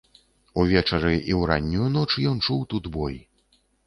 Увечары і ў раннюю ноч ён чуў тут бой.